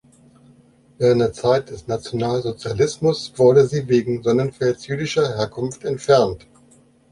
Während der Zeit des Nationalsozialismus wurde sie wegen Sonnenfels’ jüdischer Herkunft entfernt.